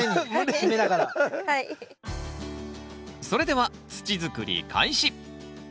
それでは土づくり開始。